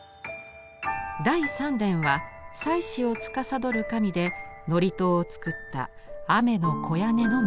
第三殿は祭祀をつかさどる神で祝詞を作った天児屋根命。